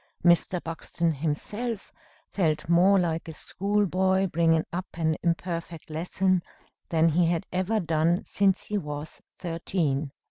Mr. Buxton himself felt more like a school boy, bringing up an imperfect lesson, than he had ever done since he was thirteen.